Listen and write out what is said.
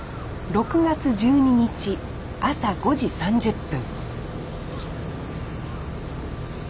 ６月１２日朝５時３０分